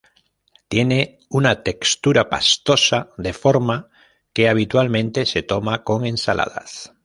Tiene una textura pastosa de forma que habitualmente se toma con ensaladas.